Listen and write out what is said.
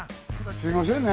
すみませんね。